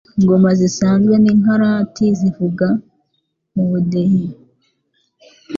Ingoma zisanzwe n'Inkarati zivuga mu budehe.